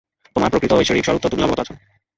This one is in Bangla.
তোমার প্রকৃত ঐশ্বরিক স্বরূপ তো তুমি অবগত আছ।